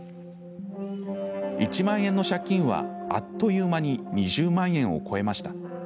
１万円の借金は、あっという間に２０万円を超えました。